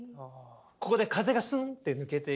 ここで風がスンッて抜けていく。